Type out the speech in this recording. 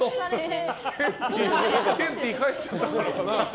ケンティー帰っちゃったからかな。